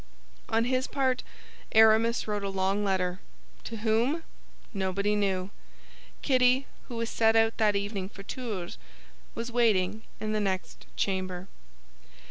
On his part Aramis wrote a long letter. To whom? Nobody knew. Kitty, who was to set out that evening for Tours, was waiting in the next chamber.